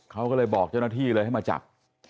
เขาก็เลยบอกเจ้าหน้าที่เลยให้มาจับ